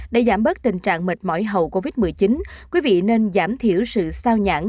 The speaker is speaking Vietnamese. để giảm bớt tình trạng mệt mỏi hậu covid một mươi chín quý vị nên giảm thiểu sự sao nhãn